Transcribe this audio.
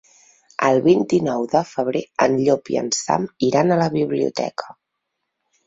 El vint-i-nou de febrer en Llop i en Sam iran a la biblioteca.